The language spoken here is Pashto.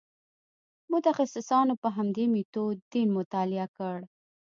متخصصانو په همدې میتود دین مطالعه کړ.